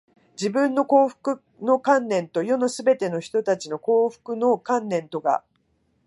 自分の幸福の観念と、世のすべての人たちの幸福の観念とが、